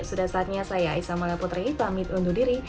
sudah saatnya saya aisa mala putri pamit undur diri